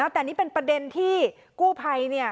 แต่นี่เป็นประเด็นที่กู้ภัย